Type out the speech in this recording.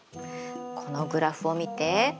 このグラフを見て。